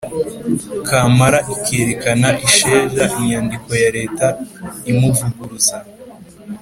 kampala ikerekana isheja inyandiko ya leta imuvuguruza.